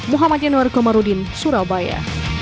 muhammad yanur komarudin surabaya